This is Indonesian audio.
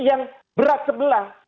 yang berat sebelah